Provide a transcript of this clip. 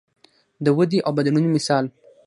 د ودې او بدلون مثال.